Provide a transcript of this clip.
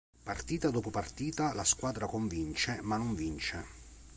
Partita dopo partita la squadra convince, ma non vince.